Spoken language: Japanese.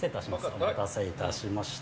お待たせいたしました。